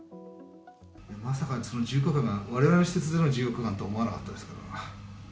まさかその１４日間がわれわれの施設での１４日間とは思わなかったですから。